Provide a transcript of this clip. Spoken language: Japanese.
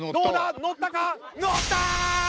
乗った！